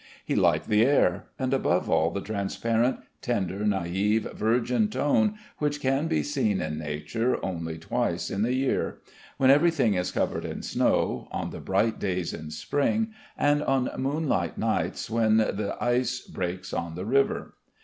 He liked the air, and above all the transparent, tender, naive, virgin tone which can be seen in nature only twice in the year: when everything is covered in snow, on the bright days in spring, and on moonlight nights when the ice breaks on the river.